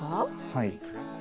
はい。